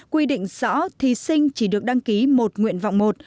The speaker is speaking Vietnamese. quy định rõ thí sinh chỉ được đăng ký một nguyện vọng một